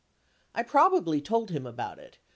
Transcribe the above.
I probably told him about it.